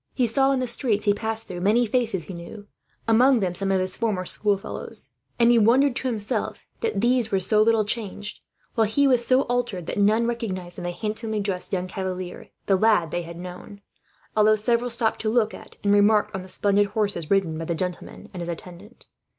He saw in the streets he passed through many faces he knew, among them some of his former schoolfellows; and he wondered to himself that these were so little changed, while he was so altered that none recognized, in the handsomely dressed young cavalier, the lad they had known; although several stopped to look at, and remark on, the splendid horses ridden by the gentleman and his attendant.